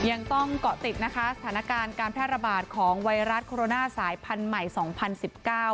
ยังต้องเกาะติดนะคะสถานการณ์การแพร่ระบาดของไวรัสโคโรนาสายพันธุ์ใหม่สองพันสิบเก้า